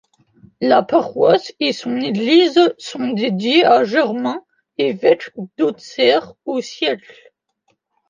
La paroisse et son église sont dédiées à Germain, évêque d’Auxerre au siècle.